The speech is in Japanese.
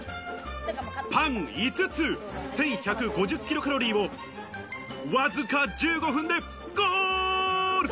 パン５つ、１１５０ｋｃａｌをわずか１５分で、ゴール！